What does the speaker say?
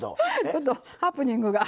ちょっとハプニングが。